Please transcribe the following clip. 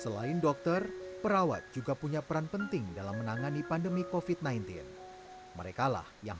selain dokter perawat juga punya peran penting dalam menangani pandemi kofit sembilan belas merekalah yang